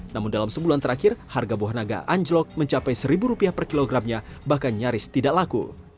namun dalam sebulan terakhir harga buah naga anjlok mencapai rp satu per kilogramnya bahkan nyaris tidak laku